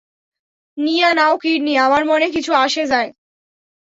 নিয়া নাও কিডনী, আমার মনে কিছু আসে যায়।